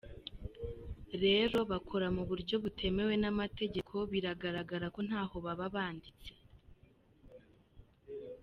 rero bakora mu buryo butemewe n’amategeko bigaragara ko ntaho baba banditse,